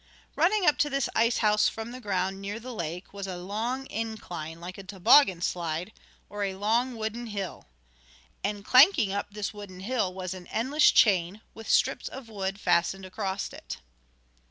Running up to this ice house from the ground near the lake, was a long incline, like a toboggan slide, or a long wooden hill. And clanking up this wooden hill was an endless chain, with strips of wood fastened across it.